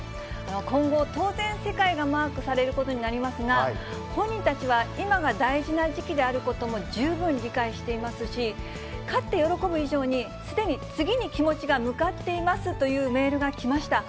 今後、当然世界がマークされることになりますが、本人たちは、今が大事な時期であることも十分理解していますし、勝って喜ぶ以上に、すでに次に気持ちが向かっていますというメールが来ました。